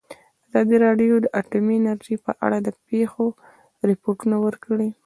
ازادي راډیو د اټومي انرژي په اړه د پېښو رپوټونه ورکړي.